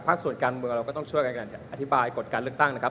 ส่วนการเมืองเราก็ต้องช่วยกันอธิบายกฎการเลือกตั้งนะครับ